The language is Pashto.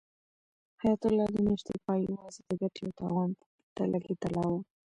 حیات الله د میاشتې پای یوازې د ګټې او تاوان په تله کې تلاوه.